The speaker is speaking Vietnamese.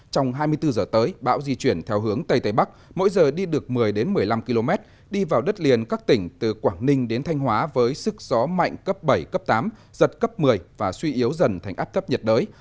trong hai mươi bốn h tới bão di chuyển theo hướng tây tây bắc mỗi giờ đi được một mươi một mươi năm km đi vào đất liền các tỉnh từ quảng ninh đến thanh hóa với sức gió mạnh cấp bảy cấp tám giật cấp một mươi và suy yếu dần thành áp thấp nhiệt đới